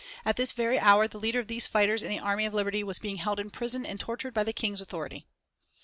At this very hour the leader of these fighters in the army of liberty was being held in prison and tortured by the King's authority.